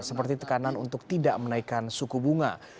seperti tekanan untuk tidak menaikkan suku bunga